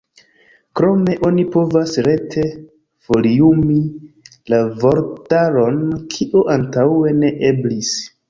Krome oni povas rete foliumi la vortaron, kio antaŭe ne eblis.